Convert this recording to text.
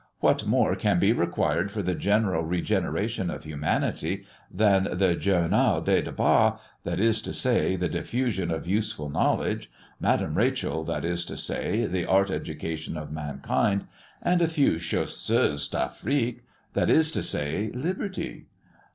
What more can be required for the general regeneration of humanity than the Journal des Débats, that is to say, the diffusion of useful knowledge Madame Rachel, that is to say, the art education of mankind and a few Chasseurs d'Afrique, that is to say, liberty?"